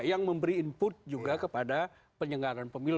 yang memberi input juga kepada penyelenggaraan pemilu